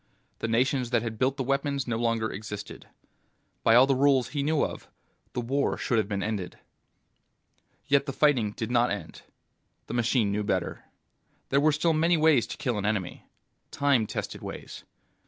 The nations that had built the weapons no longer existed. By all the rules he knew of, the war should have been ended. Yet the fighting did not end. The machine knew better. There were still many ways to kill an enemy. Time tested ways.